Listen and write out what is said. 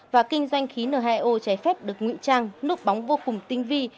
và kinh doanh khí n hai o trái phép được nguyễn trang nốt bóng vô cùng tinh vi